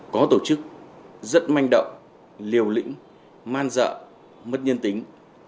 có tổ chức rất manh động liều lĩnh man dợ mất nhân tính